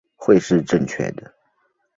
会是正确的